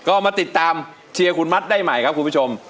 ก็มาติดตามเชียร์คุณมัดได้ใหม่ครับคุณผู้ชม